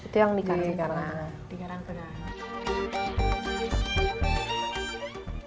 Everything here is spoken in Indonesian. itu yang di karang karnang